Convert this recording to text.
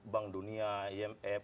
bank dunia imf